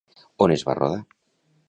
On es va rodar?